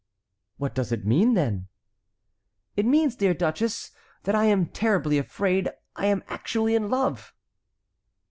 "What does it mean, then?" "It means, dear duchess, that I am terribly afraid I am actually in love."